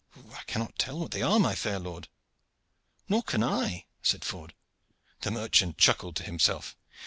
"I cannot tell what they are, my fair lord." "Nor can I," said Ford. The merchant chuckled to himself.